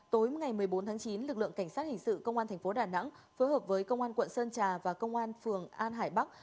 tối ngày một mươi bốn tháng chín lực lượng cảnh sát hình sự công an thành phố đà nẵng phối hợp với công an quận sơn trà và công an phường an hải bắc